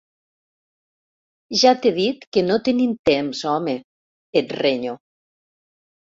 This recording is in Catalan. Ja t'he dit que no tenim temps, home! –et renyo–.